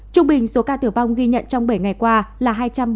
trung bình số ca tử vong ghi nhận trong bảy ngày qua là hai trăm bốn mươi sáu ca